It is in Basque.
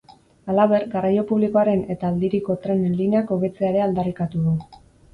Halaber, garraio publikoaren eta aldiriko trenen lineak hobetzea ere aldarrikatu du.